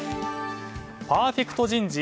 パーフェクト人事？